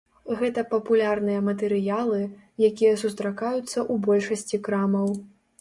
Гэта папулярныя матэрыялы, якія сустракаюцца ў большасці крамаў.